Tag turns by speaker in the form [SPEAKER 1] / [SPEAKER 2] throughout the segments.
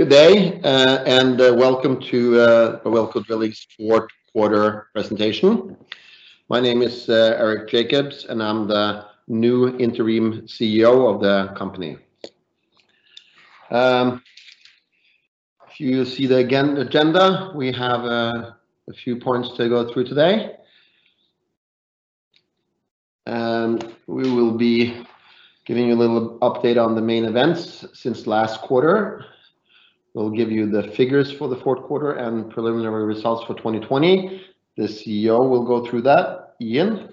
[SPEAKER 1] Good day, and welcome to Awilco Drilling fourth quarter presentation. My name is Eric Jacobs, and I'm the new interim CEO of the company. If you see the agenda, we have a few points to go through today. We will be giving you a little update on the main events since last quarter. We'll give you the figures for the fourth quarter and preliminary results for 2020. The CEO will go through that, Ian.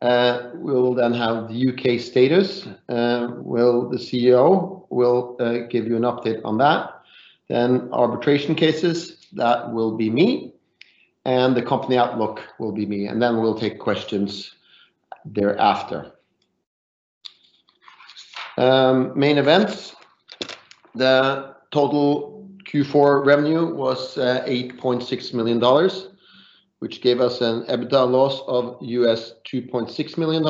[SPEAKER 1] We will then have the U.K. status, where the CEO will give you an update on that. Arbitration cases, that will be me. The company outlook will be me. Then we'll take questions thereafter. Main events. The total Q4 revenue was $8.6 million, which gave us an EBITDA loss of $2.6 million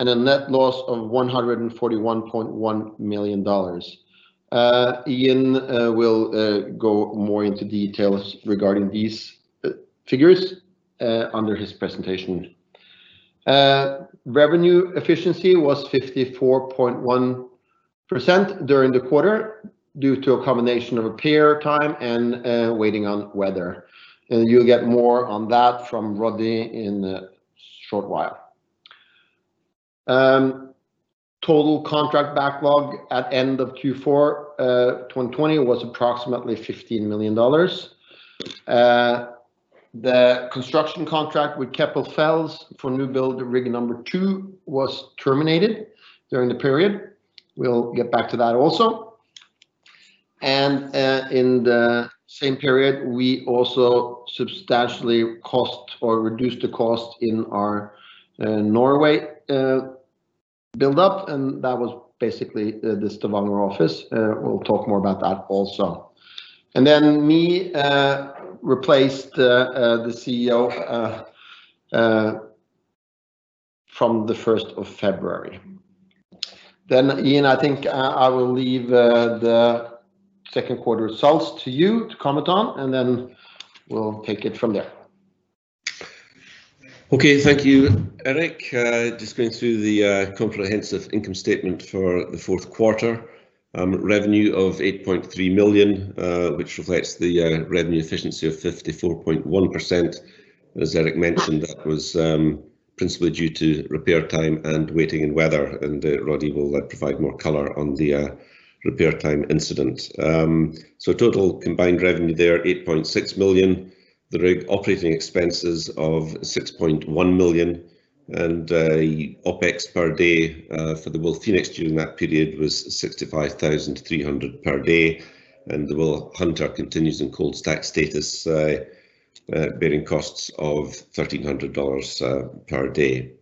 [SPEAKER 1] and a net loss of $141.1 million. Ian will go more into details regarding these figures under his presentation. Revenue efficiency was 54.1% during the quarter, due to a combination of repair time and waiting on weather. You'll get more on that from Roddy in a short while. Total contract backlog at end of Q4 2020 was approximately $15 million. The construction contract with Keppel FELS for new build rig number two was terminated during the period. We'll get back to that also. In the same period, we also substantially cost or reduced the cost in our Norway build-up, and that was basically the Stavanger office. We'll talk more about that also. Me replaced the CEO from the first of February. Ian, I think I will leave the second quarter results to you to comment on, and then we'll take it from there.
[SPEAKER 2] Okay. Thank you, Eric. Just going through the comprehensive income statement for the fourth quarter. Revenue of $8.3 million, which reflects the revenue efficiency of 54.1%. As Eric mentioned, that was principally due to repair time and waiting in weather, and Roddy will provide more color on the repair time incident. Total combined revenue there, $8.6 million. The rig operating expenses of $6.1 million and the OpEx per day for the WilPhoenix during that period was $65,300 per day, and the WilHunter continues in cold stack status, bearing costs of $1,300 per day.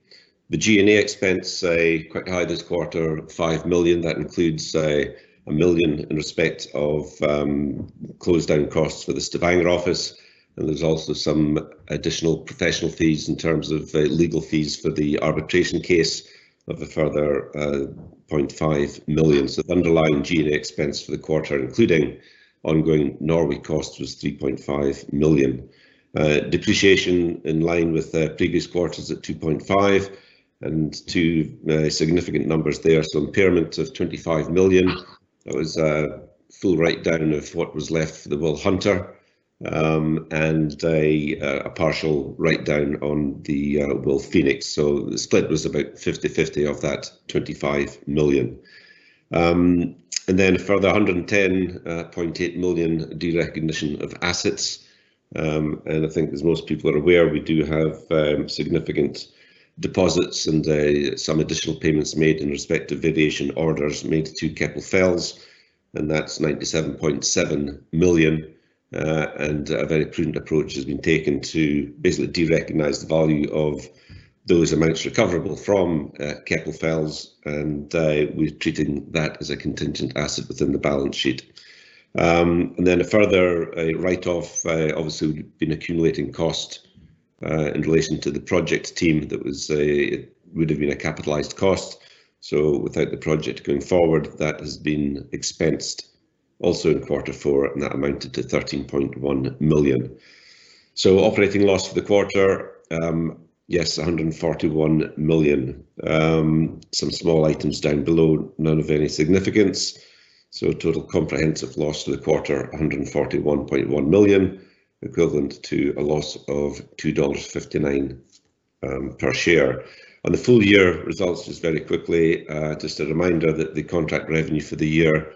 [SPEAKER 2] The G&A expense, quite high this quarter, $5 million. That includes $1 million in respect of closed down costs for the Stavanger office. There's also some additional professional fees in terms of legal fees for the arbitration case of a further $0.5 million. The underlying G&A expense for the quarter, including ongoing Norway costs, was $3.5 million. Depreciation in line with previous quarters at $2.5 million. Two significant numbers there. Impairment of $25 million. That was a full write-down of what was left of the WilHunter and a partial write-down on the WilPhoenix. The split was about 50/50 of that $25 million. A further $110.8 million derecognition of assets. I think as most people are aware, we do have significant deposits and some additional payments made in respect of variation orders made to Keppel FELS, and that's $97.7 million. A very prudent approach has been taken to basically derecognize the value of those amounts recoverable from Keppel FELS. We're treating that as a contingent asset within the balance sheet. Then a further write-off. Obviously we've been accumulating cost in relation to the project team that would have been a capitalized cost. Without the project going forward, that has been expensed also in quarter four, and that amounted to $13.1 million. Operating loss for the quarter, yes, $141 million. Some small items down below, none of any significance. Total comprehensive loss for the quarter, $141.1 million, equivalent to a loss of $2.59 per share. On the full year results, just very quickly, just a reminder that the contract revenue for the year,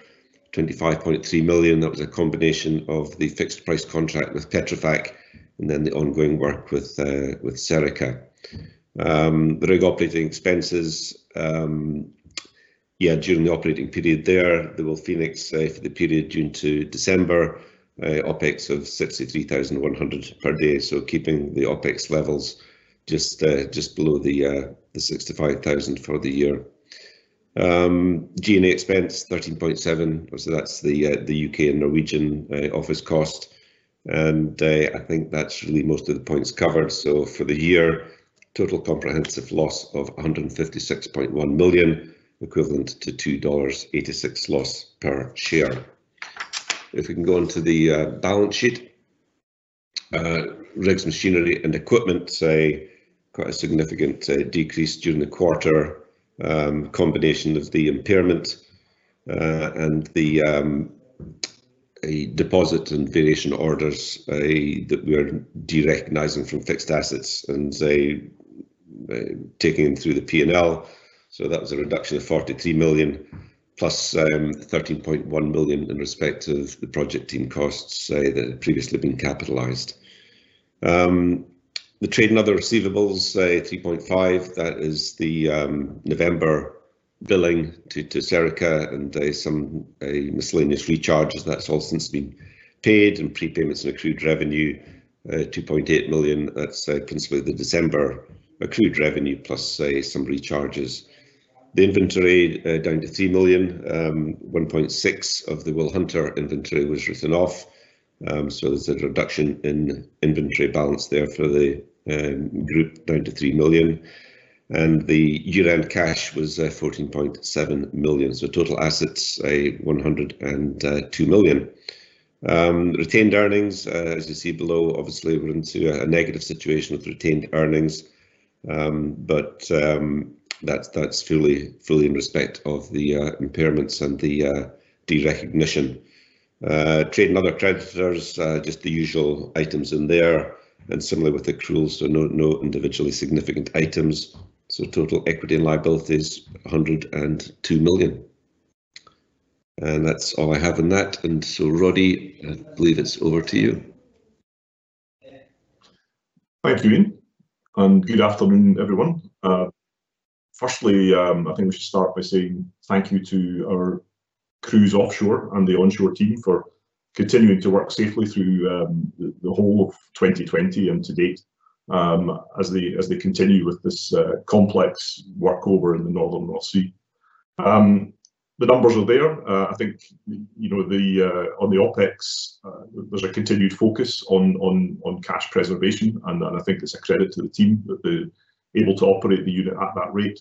[SPEAKER 2] $25.3 million, that was a combination of the fixed price contract with Petrofac and then the ongoing work with Serica. The rig operating expenses, during the operating period there, the WilPhoenix, for the period June to December, OpEx of $63,100 per day. Keeping the OpEx levels just below the $65,000 for the year. G&A expense, $13.7 million. That's the U.K. and Norwegian office cost. I think that's really most of the points covered. For the year, total comprehensive loss of $156.1 million, equivalent to $2.86 loss per share. If we can go onto the balance sheet. Rigs machinery and equipment, say, quite a significant decrease during the quarter. Combination of the impairment and the a deposit and variation orders that we are derecognizing from fixed assets and, say, taking them through the P&L. That was a reduction of $43 million plus $13.1 million in respect of the project team costs, say, that had previously been capitalized. The trade and other receivables, say, $3.5, that is the November billing to Serica and some miscellaneous recharges. That's all since been paid. Prepayments and accrued revenue, $2.8 million, that's principally the December accrued revenue plus, say, some recharges. The inventory down to $3 million. $1.6 of the WilHunter inventory was written off. There's a reduction in inventory balance there for the group, down to $3 million. The year-end cash was $14.7 million. Total assets $102 million. Retained earnings, as you see below, obviously we're into a negative situation with retained earnings. That's fully in respect of the impairments and the derecognition. Trade and other creditors, just the usual items in there. Similarly with accruals, no individually significant items. Total equity and liabilities $102 million. That's all I have on that. Roddy, I believe it's over to you.
[SPEAKER 3] Thank you, Ian, and good afternoon, everyone. Firstly, I think we should start by saying thank you to our crews offshore and the onshore team for continuing to work safely through the whole of 2020 and to date, as they continue with this complex workover in the northern North Sea. The numbers are there. I think, you know, on the OpEx, there's a continued focus on cash preservation, and I think it's a credit to the team that they're able to operate the unit at that rate.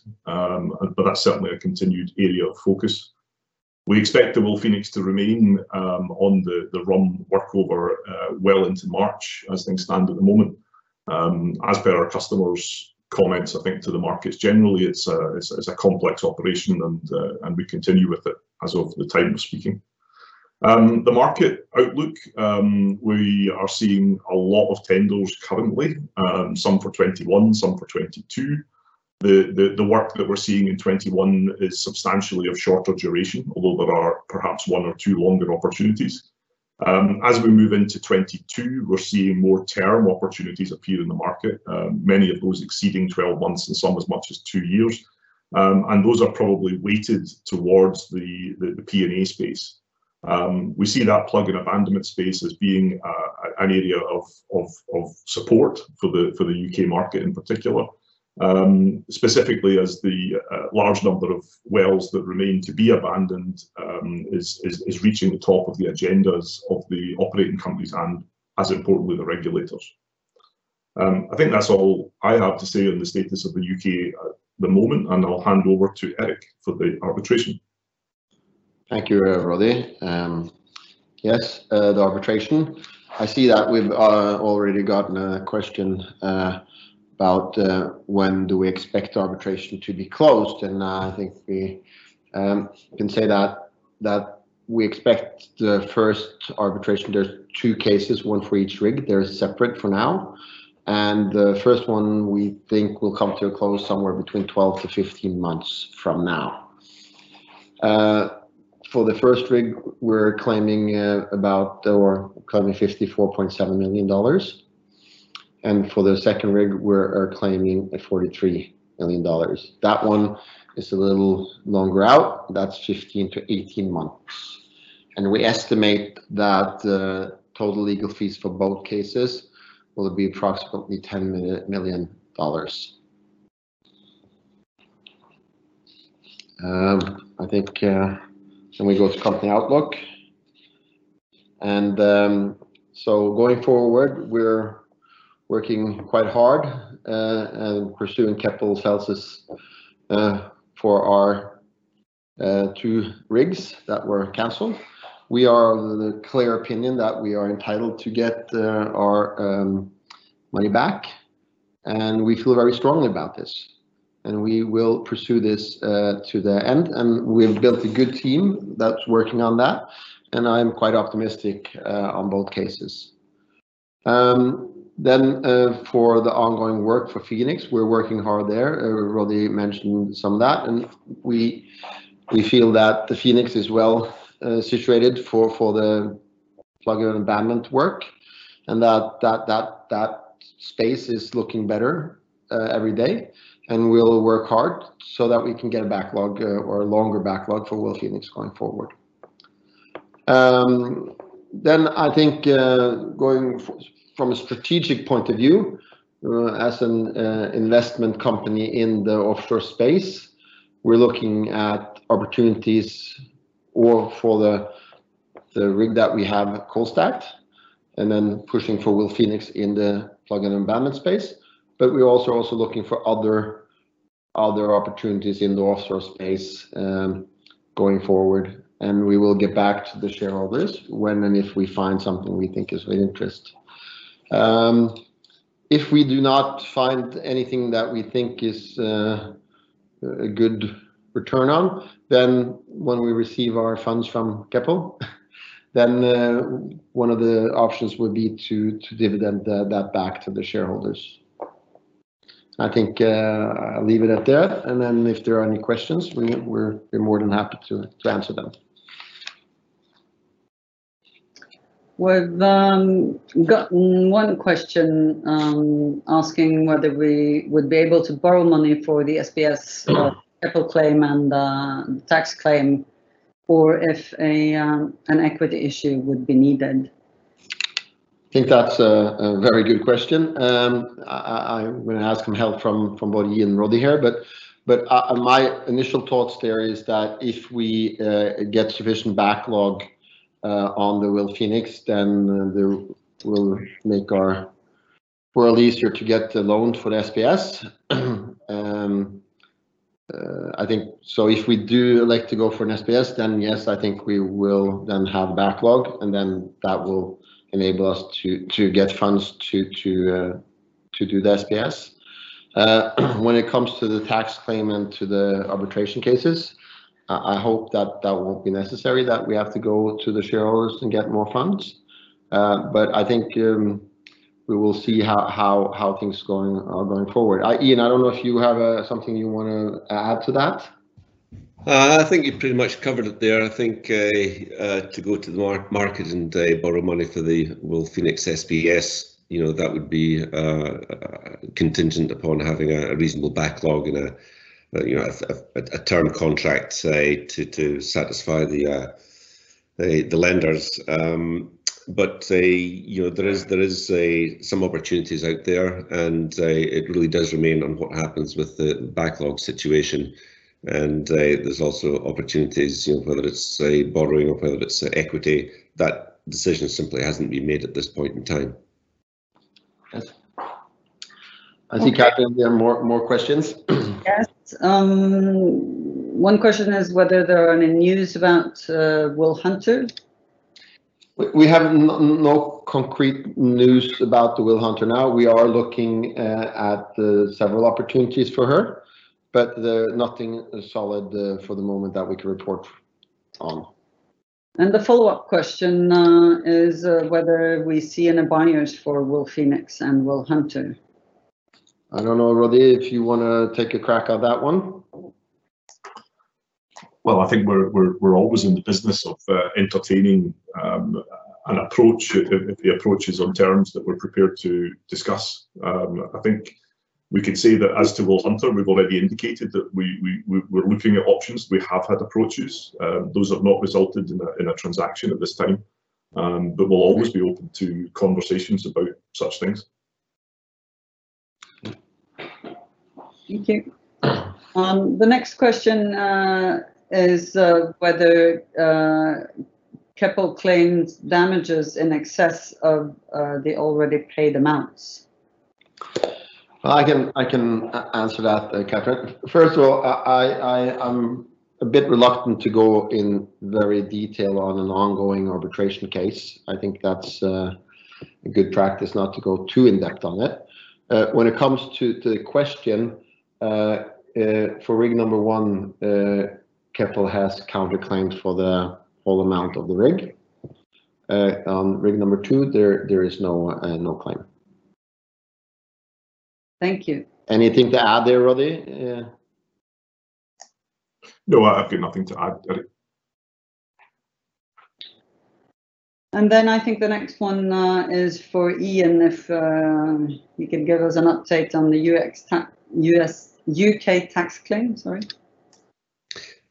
[SPEAKER 3] That's certainly a continued area of focus. We expect the WilPhoenix to remain on the Rhum workover well into March as things stand at the moment. As per our customers' comments, I think, to the markets generally, it's a complex operation and we continue with it as of the time of speaking. The market outlook, we are seeing a lot of tenders currently, some for 2021, some for 2022. The work that we're seeing in 2021 is substantially of shorter duration, although there are perhaps one or two longer opportunities. As we move into 2022, we're seeing more term opportunities appear in the market, many of those exceeding 12 months and some as much as two years. Those are probably weighted towards the P&A space. We see that plug and abandonment space as being an area of support for the U.K. market in particular, specifically as the large number of wells that remain to be abandoned, is reaching the top of the agendas of the operating companies and, as importantly, the regulators. I think that's all I have to say on the status of the U.K. at the moment, and I'll hand over to Eric for the arbitration.
[SPEAKER 1] Thank you, Roddy. Yes, the arbitration. I see that we've already gotten a question about when do we expect arbitration to be closed. I think we can say that we expect the first arbitration, there's two cases, one for each rig, they're separate for now. The first one, we think will come to a close somewhere between 12-15 months from now. For the first rig, we're claiming about or claiming $54.7 million. For the second rig, we're claiming $43 million. That one is a little longer out. That's 15-18 months. We estimate that total legal fees for both cases will be approximately $10 million. I think, then we go to company outlook. Going forward, we're working quite hard and pursuing capital sources for our two rigs that were canceled. We are of the clear opinion that we are entitled to get our money back, and we feel very strongly about this. We will pursue this to the end, and we've built a good team that's working on that, and I'm quite optimistic on both cases. For the ongoing work for WilPhoenix, we're working hard there. Roddy mentioned some of that. We feel that the WilPhoenix is well situated for the plug and abandonment work and that space is looking better every day. We'll work hard so that we can get a backlog or a longer backlog for WilPhoenix going forward. I think, going from a strategic point of view, as an investment company in the offshore space, we're looking at opportunities for the rig that we have cold stacked, and pushing for WilPhoenix in the plug and abandonment space. We're also looking for other opportunities in the offshore space, going forward, and we will get back to the shareholders when and if we find something we think is of interest. If we do not find anything that we think is a good return on, then when we receive our funds from Keppel, then one of the options would be to dividend that back to the shareholders. I think, I'll leave it at that, if there are any questions, we're more than happy to answer them.
[SPEAKER 4] We've gotten one question asking whether we would be able to borrow money for the SPS-
[SPEAKER 1] Mm-hmm...
[SPEAKER 4] or Keppel claim and, the tax claim, or if a, an equity issue would be needed.
[SPEAKER 1] Think that's a very good question. I'm gonna ask some help from both Ian and Roddy here, my initial thoughts there is that if we get sufficient backlog on the WilPhoenix, then we'll make our far easier to get the loan for the SPS. I think, so if we do like to go for an SPS, then yes, I think we will then have backlog, and then that will enable us to get funds to do the SPS. When it comes to the tax claim and to the arbitration cases, I hope that that won't be necessary that we have to go to the shareholders and get more funds. I think we will see how things going, are going forward. I. Ian, I don't know if you have something you wanna add to that?
[SPEAKER 2] I think you've pretty much covered it there. I think to go to the market and borrow money for the WilPhoenix SPS, you know, that would be contingent upon having a reasonable backlog and a, you know, a term contract, say, to satisfy the lenders. You know, there is some opportunities out there, and it really does remain on what happens with the backlog situation. There's also opportunities, you know, whether it's a borrowing or whether it's equity. That decision simply hasn't been made at this point in time.
[SPEAKER 1] Yes. I think, Cathrine, there are more questions.
[SPEAKER 4] Yes. one question is whether there are any news about, WilHunter.
[SPEAKER 1] We have no concrete news about the WilHunter now. We are looking at several opportunities for her, but nothing solid for the moment that we can report on.
[SPEAKER 4] The follow-up question is whether we see any buyers for WilPhoenix and WilHunter.
[SPEAKER 1] I don't know, Roddy, if you wanna take a crack at that one.
[SPEAKER 3] Well, I think we're always in the business of entertaining an approach if the approach is on terms that we're prepared to discuss. I think we can say that as to WilHunter, we've already indicated that we're looking at options. We have had approaches. Those have not resulted in a transaction at this time. We'll always be open to conversations about such things.
[SPEAKER 4] Thank you. The next question is whether Keppel claims damages in excess of the already paid amounts.
[SPEAKER 1] Well, I can answer that, Cathrine. First of all, I'm a bit reluctant to go in very detail on an ongoing arbitration case. I think that's a good practice not to go too in-depth on it. When it comes to the question for rig number one, Keppel has counterclaimed for the whole amount of the rig. On rig number two, there is no no claim.
[SPEAKER 4] Thank you.
[SPEAKER 1] Anything to add there, Roddy?
[SPEAKER 3] No. I've got nothing to add, Eric.
[SPEAKER 4] I think the next one is for Ian, if you can give us an update on the U.S.-U.K. tax claim, sorry.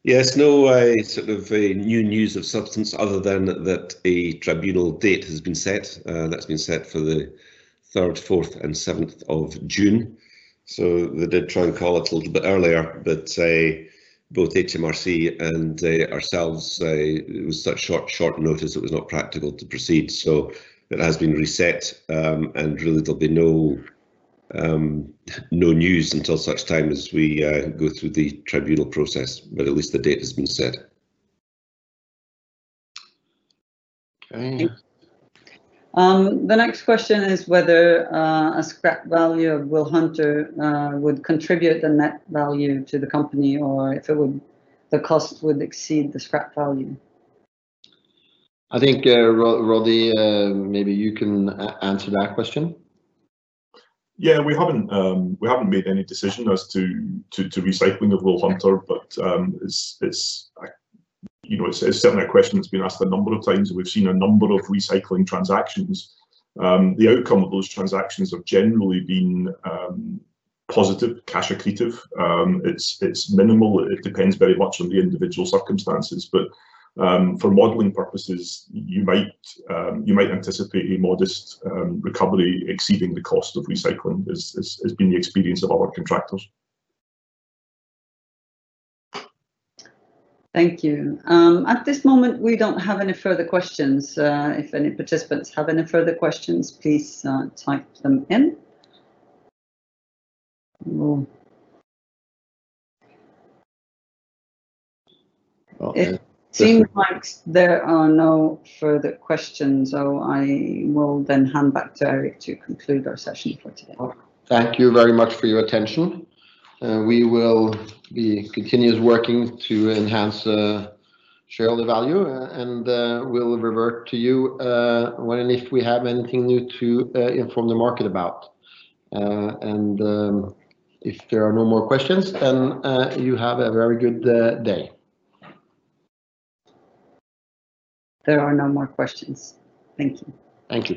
[SPEAKER 2] Yes. No, sort of, new news of substance other than that a tribunal date has been set. That's been set for the 3rd, 4th and 7th of June. They did try and call it a little bit earlier, but both HMRC and ourselves, it was such short notice it was not practical to proceed. It has been reset, and really there'll be no news until such time as we go through the tribunal process. At least the date has been set.
[SPEAKER 1] Okay.
[SPEAKER 4] Thank you. The next question is whether a scrap value of WilHunter would contribute the net value to the company or if it would, the cost would exceed the scrap value.
[SPEAKER 1] I think, Roddy, maybe you can answer that question.
[SPEAKER 3] Yeah. We haven't, we haven't made any decision as to recycling of WilHunter, but, you know, it's certainly a question that's been asked a number of times, and we've seen a number of recycling transactions. The outcome of those transactions have generally been positive, cash accretive. It's minimal. It depends very much on the individual circumstances. For modeling purposes, you might, you might anticipate a modest recovery exceeding the cost of recycling has been the experience of our contractors.
[SPEAKER 4] Thank you. At this moment, we don't have any further questions. If any participants have any further questions, please type them in. No.
[SPEAKER 1] Well.
[SPEAKER 4] It seems like there are no further questions, so I will then hand back to Eric to conclude our session for today.
[SPEAKER 1] Thank you very much for your attention. We will be continuous working to enhance shareholder value, and we'll revert to you when and if we have anything new to inform the market about. If there are no more questions, then you have a very good day.
[SPEAKER 4] There are no more questions. Thank you.
[SPEAKER 1] Thank you.